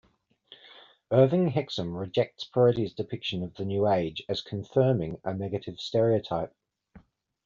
Irving Hexham rejects Peretti's depiction of the New Age as confirming a negative stereotype.